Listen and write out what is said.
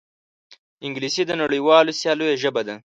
انګلیسي د نړیوالو سیالیو ژبه ده